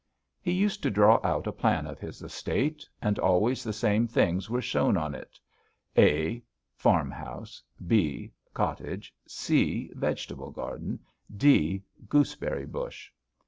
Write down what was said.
"He used to draw out a plan of his estate and always the same things were shown on it: (a) Farmhouse, (b) cottage, (c) vegetable garden, (d) gooseberry bush.